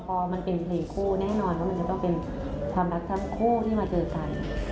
พอมันเป็นเพลงคู่แน่นอนว่ามันจะต้องเป็นความรักทั้งคู่ที่มาเจอกัน